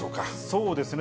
そうですね。